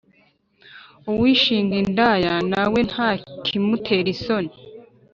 uwishinga indaya na we, ntakimutera isoni;